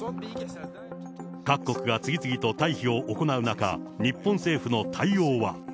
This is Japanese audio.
各国が次々と退避を行う中、日本政府の対応は。